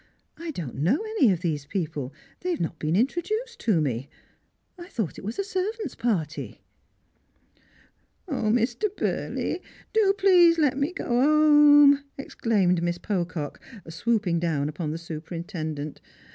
I don't know any of these people, they have not been introduced to me. I thought it was a servants' party." '■■ 0, Mr. Burley, do i:)lease let me go 'ome," exclaimed Miss Pocock, swooping down upon the superintendent.